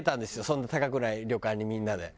そんな高くない旅館にみんなで。